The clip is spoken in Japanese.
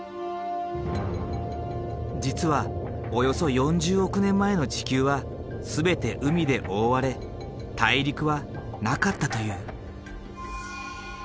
実はおよそ４０億年前の地球は全て海で覆われ大陸はなかったという。